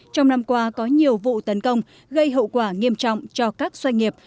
trong năm qua có nhiều vụ tấn công gây hậu quả nghiêm trọng cho các doanh nghiệp